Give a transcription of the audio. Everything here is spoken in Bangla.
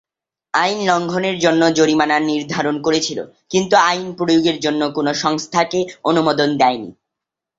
আইন লঙ্ঘনের জন্য জরিমানা নির্ধারণ করেছিল, কিন্তু আইন প্রয়োগের জন্য কোনো সংস্থাকে অনুমোদন দেয়নি।